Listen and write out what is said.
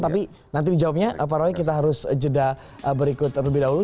tapi nanti dijawabnya pak roy kita harus jeda berikut lebih dahulu